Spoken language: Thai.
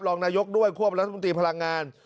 รองนายกด้วยควบรัฐมนตรีพลังงาน